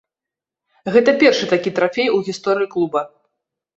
Гэта першы такі трафей у гісторыі клуба.